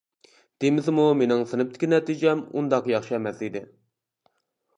دېمىسىمۇ مېنىڭ سىنىپتىكى نەتىجەم ئۇنداق ياخشى ئەمەس ئىدى.